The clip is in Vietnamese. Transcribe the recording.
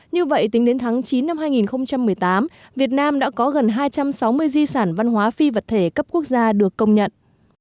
như vậy tính đến tháng chín năm hai nghìn một mươi tám việt nam đã có gần hai trăm sáu mươi di sản văn hóa phi vật thể cấp quốc gia được công nhận